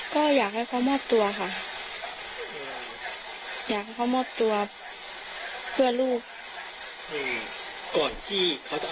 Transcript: เขาก็บอกว่าให้ดูแลลูกดี